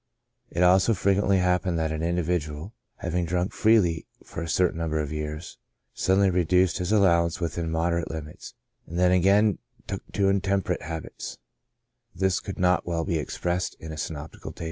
It also frequently happened that an individual, having drunk freely for a cer tain number of years, suddenly reduced his allowance within moderate limits, and then again took to intemperate habits ; this could not well be expressed in a synoptical table.